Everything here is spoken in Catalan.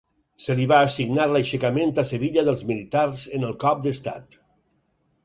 Se li va assignar l'aixecament a Sevilla dels militars en el cop d'estat.